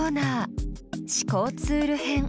思考ツール編。